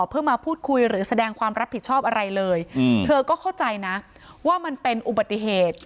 เพื่อมาพูดคุยหรือแสดงความรับผิดชอบอะไรเลยเธอก็เข้าใจนะว่ามันเป็นอุบัติเหตุ